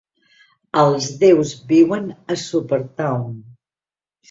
Els déus viuen a Supertown.